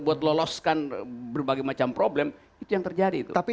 untuk loloskan berbagai macam problem itu yang terjadi